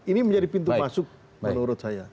ini menjadi pintu masuk menurut saya